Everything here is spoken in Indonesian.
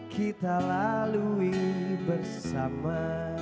kita lalui bersama